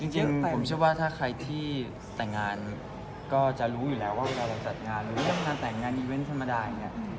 จริงผมเชื่อว่าถ้าใครที่แต่งงานก็จะรู้อยู่แล้วว่าเวลาเราจัดงานหรือเรื่องงานแต่งงานอีเวนต์ธรรมดาอย่างนี้